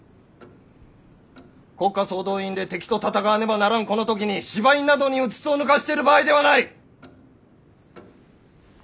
国家総動員で敵と戦わねばならんこの時に芝居などにうつつを抜かしている場合ではない！